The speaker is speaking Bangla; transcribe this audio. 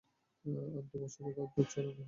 আর দুবৎসরে তার দুধ ছাড়ানো হয়।